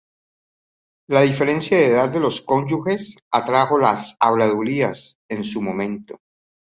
La diferencia de edad de los cónyuges atrajo las habladurías en su momento.